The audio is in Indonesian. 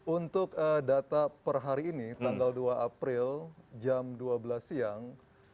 untuk data per hari ini tanggal dua april jam dua belas siang